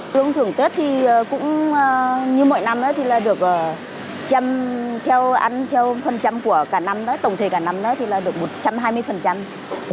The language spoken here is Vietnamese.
thường thường tết thì cũng như mỗi năm thì được chăm theo ăn theo phân chăm của cả năm tổng thể cả năm thì được một trăm hai mươi